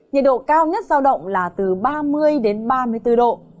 nhiệt độ cao nhất giao động là từ ba mươi đến ba mươi bốn độ